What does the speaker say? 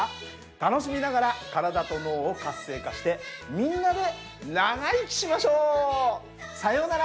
楽しみながら体と脳を活性化してみんなで長生きしましょう！さようなら。